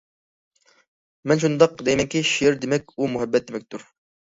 مەن شۇنداق دەيمەنكى شېئىر دېمەك ئۇ مۇھەببەت دېمەكتۇر!